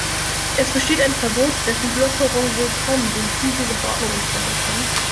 Es besteht ein Verbot, dessen Lockerung wohl kaum dem Ziel dieser Verordnung entsprechen kann.